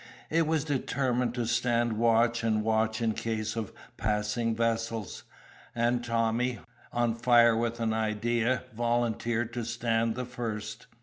It was determined to stand watch and watch in case of passing vessels; and Tommy, on fire with an idea, volunteered to stand the first.